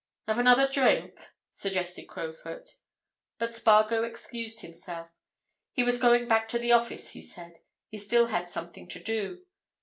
"Have another drink?" suggested Crowfoot. But Spargo excused himself. He was going back to the office, he said; he still had something to do.